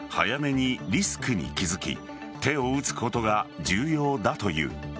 熱中症を防ぐためには早めにリスクに気付き手を打つことが重要だという。